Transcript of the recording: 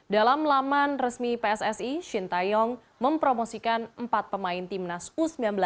dalam laman resmi pssi shin taeyong mempromosikan empat pemain timnas u sembilan belas